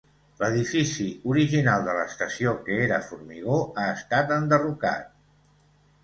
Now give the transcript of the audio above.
L'edifici original de l'estació, que era formigó, ha estat enderrocat.